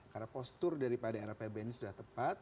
karena postur dari rrpbn ini sudah tepat